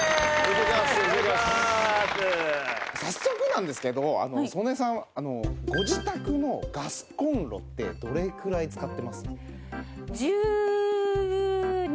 早速なんですけれども曽根さんご自宅のガスコンロってどれくらい使ってます？